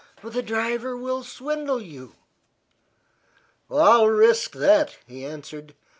"The driver will swindle you." "I'll risk that," he answered.